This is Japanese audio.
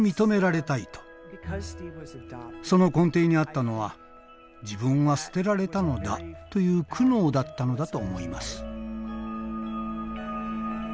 その根底にあったのは自分は捨てられたのだという苦悩だったのだと思います。